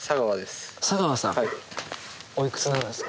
佐川です